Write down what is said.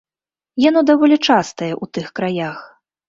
Яно даволі частае ў тых краях.